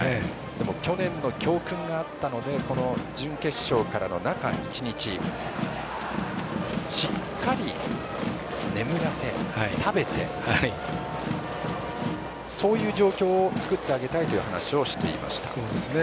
去年の教訓があったので準決勝からの中１日しっかり眠らせ食べて、そういう状況を作ってあげたいという話をしていました。